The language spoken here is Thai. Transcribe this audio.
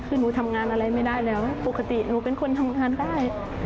คือหนูทำงานอะไรไม่ได้แล้วปกติหนูเป็นคนทำงานได้